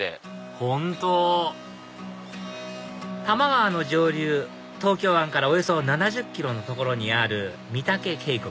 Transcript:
多摩川の上流東京湾からおよそ７０ｋｍの所にある御岳渓谷